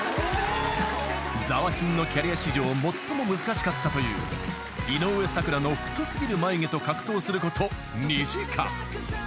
［ざわちんのキャリア史上最も難しかったという井上咲楽の太過ぎる眉毛と格闘すること２時間］